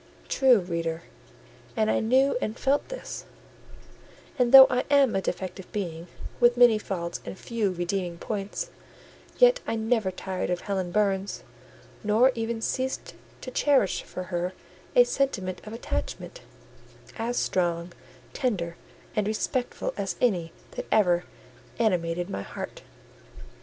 True, reader; and I knew and felt this: and though I am a defective being, with many faults and few redeeming points, yet I never tired of Helen Burns; nor ever ceased to cherish for her a sentiment of attachment, as strong, tender, and respectful as any that ever animated my heart.